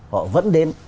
họ vẫn đến